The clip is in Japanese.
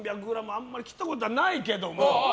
あんまり切ったことはないけど。